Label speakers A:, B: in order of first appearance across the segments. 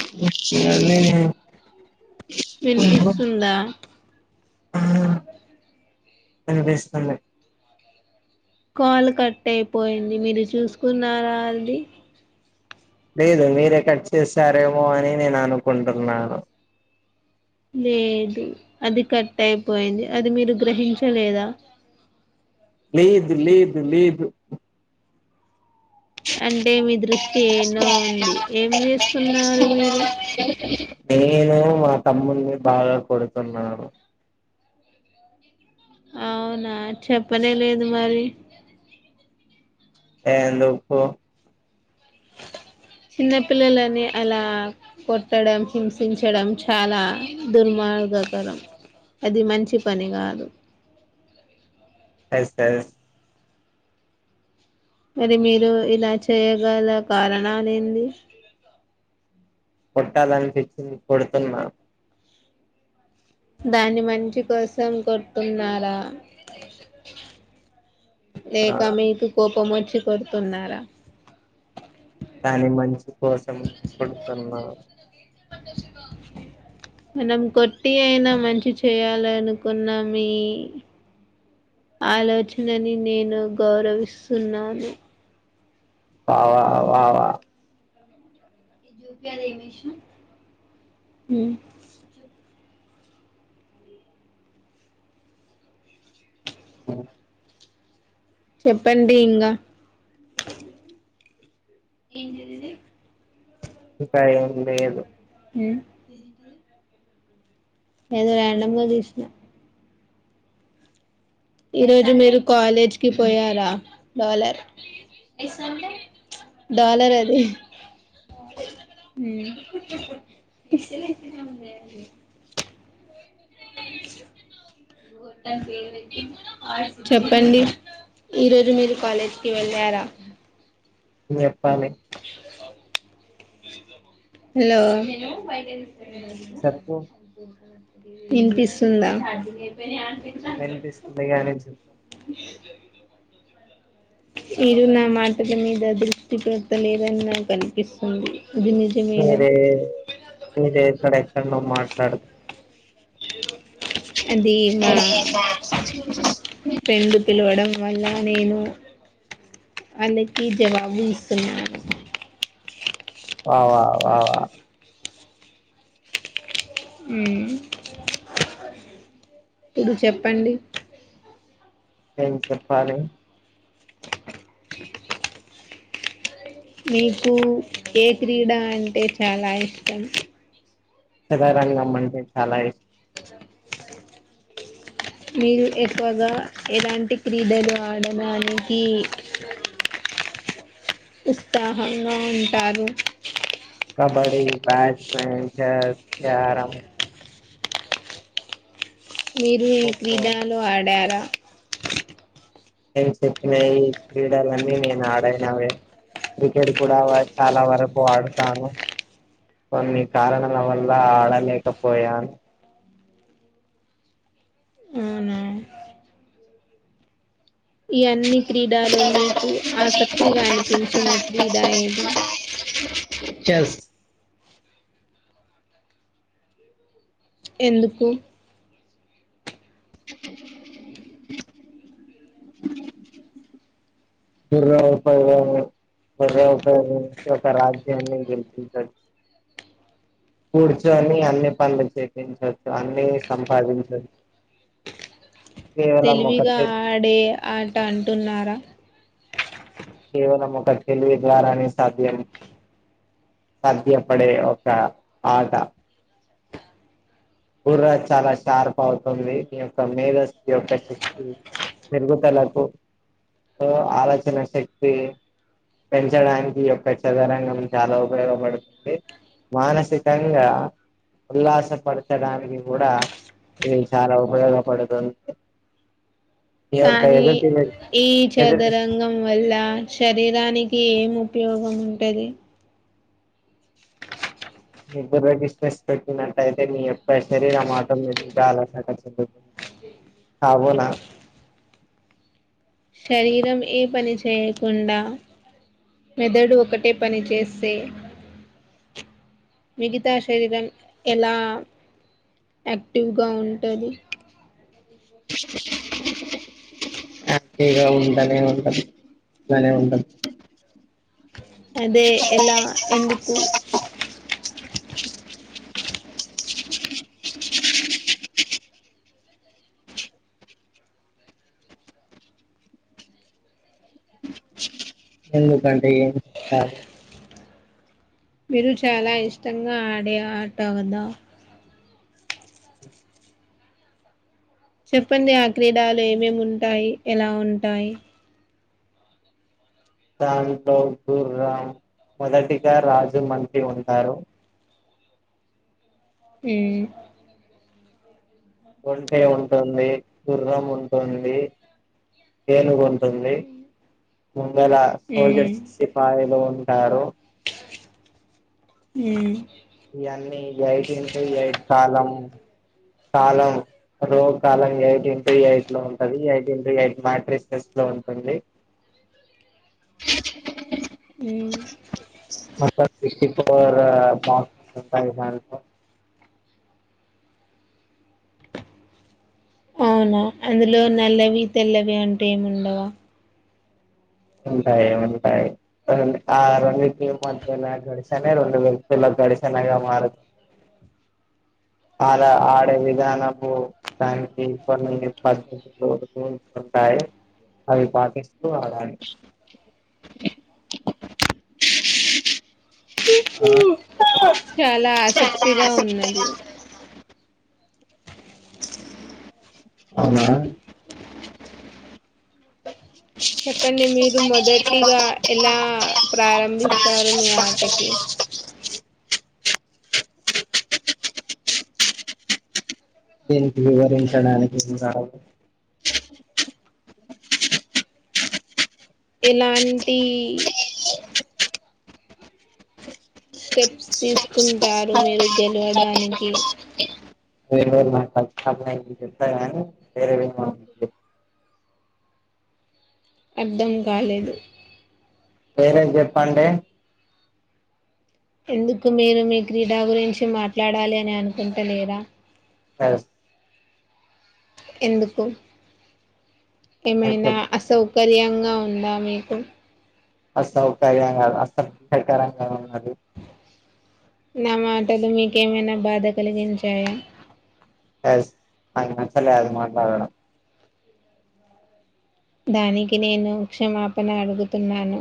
A: [inaudible] నేను హలో
B: వినిపిస్తుందా
A: వినిపిస్తుంది.
B: కాల్ కట్ అయిపోయింది మీరు చూసుకున్నారా అండి.
A: లేదు మీరే కట్ చేసారేమో అని నేను అనుకుంటున్నాను.
B: లేదు అది కట్ అయిపోయింది. అది మీరు గ్రహించలేదా. జి
A: లేదు లేదు లేదు
B: అంటే మీ
A: [inaudible]
B: దృష్టి ఎన్నో ఉంది ఏం
A: ఉంటయి
B: చేస్తున్నారు మీరు
A: [inaudible] నేను మా తమ్మున్ని బాగా కొడుతున్నాను.
B: అవునా చెప్పనే లేదు మరి.
A: ఎందుకు?
B: గజ్జెలు చిన్న పిల్లలని అలా కొట్టడం, హింసించడం చాలా దుర్మా గాకరం అది మంచి పని కాదు.
A: అస్త
B: మరి మీరు ఇలా చేయగల కారణాలు ఏంది.
A: కొట్టాలనిపించింది, కొడుతున్నా.
B: దాన్ని మంచి కోసం కొడుతున్నారా. లేక
A: ఆ
B: మీకు కోపం వచ్చి కొడుతున్నారా.
A: కాని మంచి కోసం కొడుతున్నా.
B: మనం కొట్టి అయినా మంచి చేయాలనుకున్నా మీ ఆలోచనని నేను గౌరవిస్తున్నాను.
A: వా వా వా వా
B: ఒక్కనిమిషం హ్ చెప్పండి ఇంగా. ఏందిది ఇది.
A: ఇంకా ఎంలేదు.
B: హ్ ఏదో రాండమ్ గా తీసినా. ఈ రోజు మీరు కాలేజ్కి పోయారా లాలర్. డాలర్ అది. హ్ చెప్పండి ఈరోజు మీరు కాలేజీకి వెళ్ళారా
A: చెప్పాలి
B: హలో
A: చెప్పు
B: వినిపిస్తుందా
A: వినిపిస్తుగాని చె
B: మీరు నా మాటల మీద దృష్టి పెడతలేదని నాకు అనిపిస్తుంది ఇది నిజమేనా
A: మీదే మీదే కడ మాట్లాడుదు
B: అది మా ఫ్రెండ్ పిలవడం వల్ల నేను వాళ్ళకి జవాబు ఇస్తున్నాను
A: వా వా వా వా
B: ఇప్పుడు చెప్పండి
A: ఏం చెప్పాలి
B: మీకు ఏ క్రీడ అంటే చాలా ఇష్టం
A: చదారంగ అంటే చాలా ఇష్టం
B: మీరు ఎక్కువగా ఎలాంటి క్రీడలు ఆడడానికి ఉత్సాహంగా ఉంటారు
A: కబడ్డీ బ్యాట్స్మెన్ చెస్ క్యారం
B: ఇ మీరు ఏ
A: ఖోఖో
B: క్రీడాలో ఆడారా
A: నేను చెప్పినా ఈ క్రీడలున్నీ నేను ఆడైనావే క్రికెట్ కూడా చాలా వరకు ఆడతాను కొన్ని కారణాల వల్ల ఆడలేకపోయాను
B: అవునా ఈ అన్ని క్రీడాలు మీకు ఆసక్తిగా అనిపించిన క్రీడ ఏది
A: చెస్
B: ఎందుకు
A: [unintelligible] [unintelligible] రాజ్యాన్ని గెలిపిచాచ్ కూర్చొని అన్ని పనులు చేపంచవచ్చు అన్ని సంపాదించవచ్చు
B: తెలివిగా ఆడే ఆట అంటున్నారా
A: కేవలం ఒక తెలివి ద్వారా సాధ్యం సాధ్యపడే ఒక ఆట గుర్ర చాలా షార్ప్ అవుతుంది మీ యొక్క మేధస్ యొక్క శక్తి పెరుగుతలకు ఆలోచన శక్తి పెంచడానికి యొక్క చదరంగం చాలా ఉపయోగపడుతుంది మానసికంగా ఉల్లాస పడుత పచ్చడానికి కూడా ఇది చాలా ఉపయోగపడుతుంది మీ యొక్క
B: కానీ
A: ఎదుటి
B: ఈ
A: ఎదుటి
B: చదరంగం వల్ల శరీరానికి ఏం ఉపయోగం ఉంటది
A: మీద్దర డిస్టెస్ పెట్టినట్యితే మీ యొ శరీరంమాటం మీద చాల సఖ చెందుతుంది అబోల
B: శరీరం ఏ పని చేయకుండా మెదడు ఒకటే పని చేస్తే మిగతా శరీరం ఎలా యాక్టివ్ గా ఉంటది
A: హగా ఉంటనే ఉంటదు అనే ఉంటదు
B: అదే ఎలా ఎందుకు
A: ఎందుకంటే ఏం చెప్తరు
B: మీరు చాలా ఇష్టంగా ఆడే ఆట కదా చెప్పండి ఆ క్రీడాలు ఏమేమి ఉంటాయి ఎలా ఉంటాయి
A: దాంట్లో గుర్రం మొదటిగా రాజు మంత్రి ఉంటారు
B: ఉ
A: ఒంటే ఉంటుంది కుర్రం ఉంటుంది ఏనుగు ఉంటుంది వాళ్ళ
B: మ్మ్
A: సోల్జర్స్ సిపాయిలు ఉంటారు
B: ఊ
A: ఇవన్నీ eight in two eight column column row column eight in two eight లో ఉంటది ఎయిట్ ఇన్ టూ ఎయిట్ దాటితే లో ఉంటుంది
B: [inaudible] ఉ
A: మళ్ళా సిక్స్టీ ఫోర్ బాక్సులు ఉంటాయి దాంట్లో
B: అవునా అందులో నల్లవి తెల్లవి అంటే ఏమి ఉండవా
A: ఉంటాయి ఉంటాయిం ఆ రెండుకి మధ్యన గడిసానే రెండు వేలు పిల్ల గడేశానాగా మారదు ఆడ ఆడే విధానము దానికి కొన్ని పద్దతులు రూల్స్ ఉంటాయి ఆయే అవి పాటిస్తూ ఆడాలి ఆ
B: చాలా ఆసక్తిగా ఉన్నది
A: ఆసక్తిగా ఉంది అవునా
B: చెప్పండి మీరు మొదటిగా ఎలా ప్రారంభిస్తారు మీ ఆటకి
A: దీనికి వివరించడానికి ఏమి రావు
B: ఎలాంటి స్టెప్స్ తీసుకుంటారు మీరు గెలవడానికి
A: [inaudible]
B: అర్థం కాలేదు
A: వేరేది చెప్పండి
B: ఎందుకు మీరు మీ క్రీడా గురించి మాట్లాడాలి అని అనుకుంటలేరా
A: ఎస్
B: ఎందుకు
A: నాకు
B: ఏమైనా
A: చెప్
B: అసౌ కర్యంగా ఉందా మీకు
A: అసౌకర్యంగా అసబ్యాకరంగా ఉన్నది
B: నా మాటలు మీకేమైనా బాధ కలిగించాయా
A: ఎస్ నాకు నచ్చలే అది మట్లాడడం
B: దానికి నేను క్షమాపణ అడుగుతున్నాను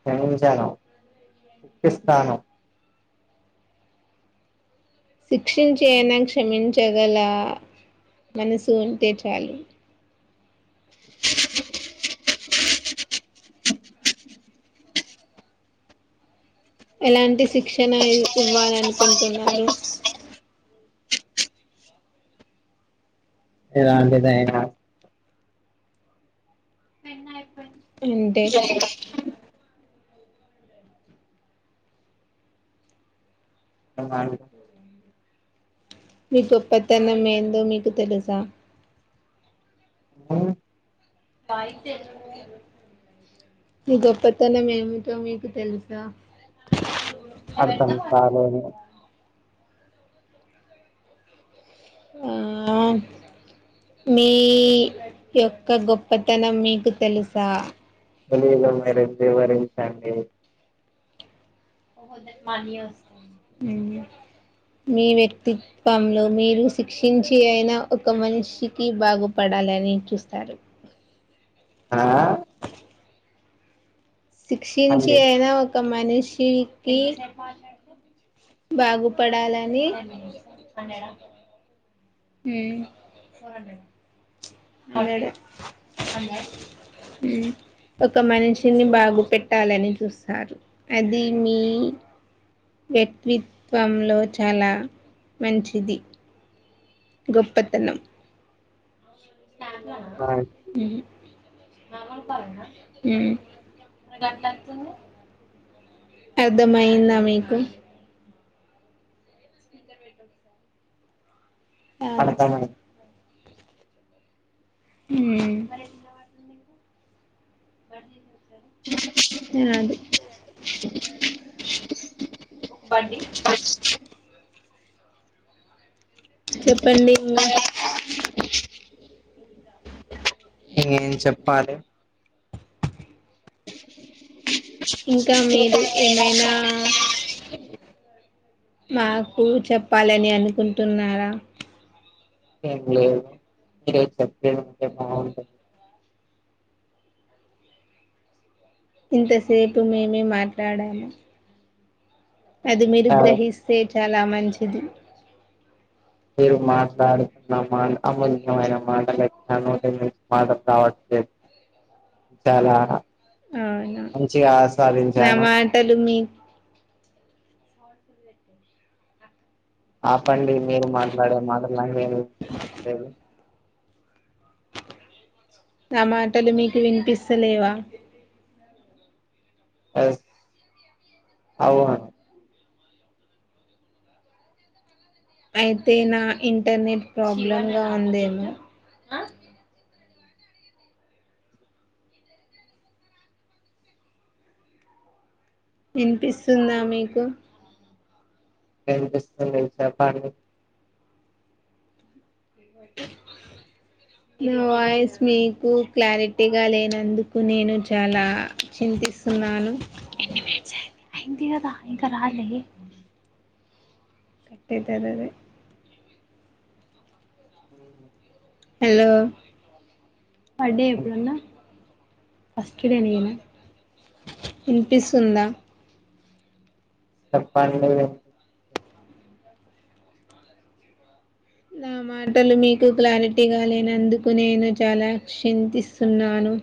A: క్షమించాను శిక్షిస్తాను
B: శిక్షించ అయనా క్షమించగల మనసు ఉంటే చాలు
A: [inaudible] [inaudible]
B: ఎలాంటి శిక్షణ ఇవ్వాలనుకుంటున్నారు
A: ఎలాంటిదైనా
B: అంటే
A: [unintelligible]
B: మీ గొప్పతనం ఏందో మీకు తెలుసా
A: అ
B: పయితే ఈ గొప్పతనం ఏమిటో మీకు తెలుసా
A: అర్థం కాలేదు
B: ఆ మీ యొక్క గొప్పతనం మీకు తెలుసా
A: తెలీదు మీరు వివరించండి
B: మా అనియ్యా వస్తున్నాడు మీ వ్యక్తిత్వంలో మీరు శిక్షించి అయినా ఒక మనిషికి బాగుపడాలి లని చూస్తారు
A: ఆ
B: శిక్షించి
A: మళ్ళీ
B: అయినా ఒక మనిషికి బాగుపడాలని అదే హ్మ్మ్ ఒక మనిషిని బాగు పెట్టాలని చూస్తారు అది మీ వ్యక్తిత్వంలో చాలా మంచిది గొప్పతనం హ్మ్మ్ హ్మ్మ్ అర్థమైయిందా మీకు కాదు
A: అర్థం కాలే
B: హ్మ్మ్ ఉన్నాడు బడి చెప్పండి ఇంకా
A: ఇకేం చెప్పాలి [inaudible]
B: ఇంకా మీరు ఏమైనా మాకు చెప్పాలని అని అనుకుంటున్నారా
A: ఏం లేదు మీరె చెప్పలే అంటే బాగుంటంది
B: ఇంతసేపు మేమే మాట్లాడాము అది మీరు
A: ఆ
B: గ్రహిస్తే చాలా మంచిది
A: మీరు మాట్లాడుతున్న మా అమూల్యమైన మాటల మాటలు రావట్లేదు
B: అదే
A: చాలా మంచిగా
B: నా
A: ఆస్వాదించాను
B: మాటలు మీ
A: ఆపండి మీరు మాట్లాడే మాటలా ఏ చెప్పలేదు
B: నా మాటలు మీకు వినిపిస్తలేవా
A: ఎస్ అవును
B: అయితే నా ఇంటర్నెట్ ప్రాబ్లమ్ ఉందేమో వినిపిస్తుందా మీకు
A: కనిపిస్తుంది చేపండి
B: లో వాయిస్ మీకు క్లారిటీగా లేనందుకు నేను చాలా చింతస్తున్నా నను కట్టతది అది హలో బర్డే
A: ఉమ్,
B: ఎప్పుడున్న ఫస్ట్ డే నేను ఇనిపిస్తుందా
A: [inaudible]
B: నా మాటలు మీకు క్లారిటీగ లేనందుకు నేను చాల చింతిస్తునను అ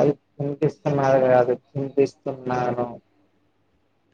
A: అది చినిపిస్తున్నారు కాదు చింతిస్తున్నాను